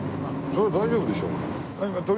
それは大丈夫でしょ。